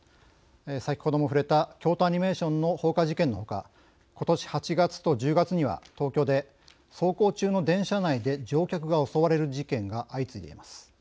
先ほどもふれた京都アニメーションの放火事件のほかことし８月と１０月には東京で、走行中の電車内で乗客が襲われる事件が相次いでいます。